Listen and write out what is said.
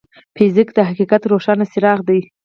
فزیک د حقیقت روښانه څراغ دی.